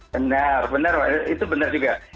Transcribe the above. benar benar itu benar juga